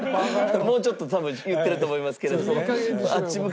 もうちょっと多分言ってると思いますけど。